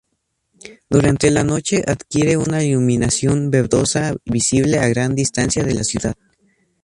Durante la noche adquiere una iluminación verdosa visible a gran distancia de la ciudad.